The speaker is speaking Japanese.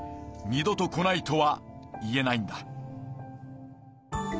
二度と来ないとは言えないんだ。